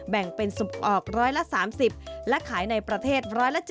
แบ่งเป็นออก๑๓๐และขายในประเทศ๑๗๐